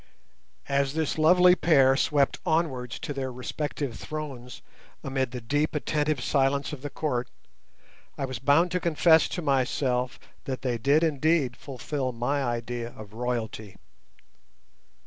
As this lovely pair swept onwards to their respective thrones, amid the deep attentive silence of the Court, I was bound to confess to myself that they did indeed fulfil my idea of royalty.